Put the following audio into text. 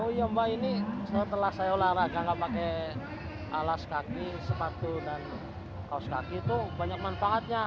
oh iya mbak ini setelah saya olahraga nggak pakai alas kaki sepatu dan kaos kaki itu banyak manfaatnya